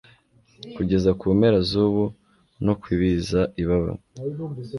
Kugeza kumpera zubu no kwibiza ibaba